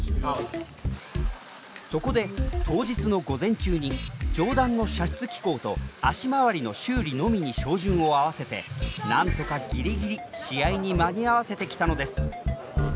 そこで当日の午前中に上段の射出機構と足回りの修理のみに照準を合わせてなんとかギリギリ試合に間に合わせてきたのです。